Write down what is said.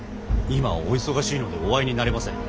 今はお忙しいのでお会いになれません。